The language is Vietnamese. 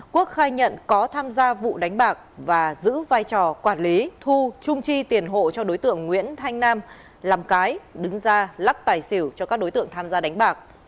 quốc khai nhận có tham gia vụ đánh bạc và giữ vai trò quản lý thu trung tri tiền hộ cho đối tượng nguyễn thanh nam làm cái đứng ra lắc tài xỉu cho các đối tượng tham gia đánh bạc